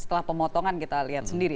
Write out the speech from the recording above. setelah pemotongan kita lihat sendiri